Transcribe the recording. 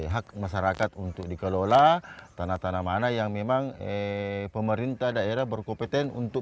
hak masyarakat untuk dikelola tanah tanah mana yang memang pemerintah daerah berkompetensi untuk